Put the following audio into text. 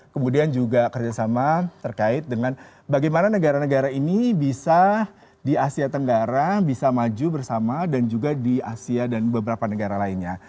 kemudian juga kerjasama terkait dengan bagaimana negara negara ini bisa di asia tenggara bisa maju bersama dan juga di asia dan beberapa negara lainnya